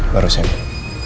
baru saya minum